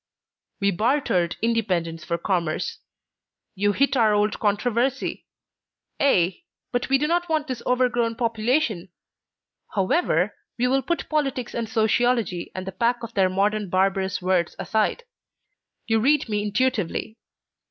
"We bartered independence for commerce. You hit our old controversy. Ay, but we do not want this overgrown population! However, we will put politics and sociology and the pack of their modern barbarous words aside. You read me intuitively.